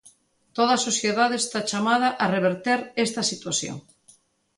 Toda a sociedade está chamada a reverter esta situación.